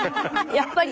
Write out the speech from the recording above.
やっぱり。